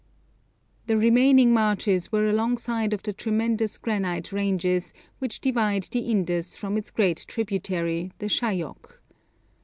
The remaining marches were alongside of the tremendous granite ranges which divide the Indus from its great tributary, the Shayok.